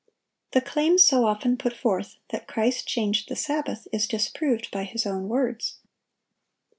(752) The claim so often put forth, that Christ changed the Sabbath, is disproved by His own words.